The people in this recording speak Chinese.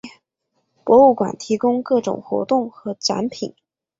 博物馆提供各种活动和展品。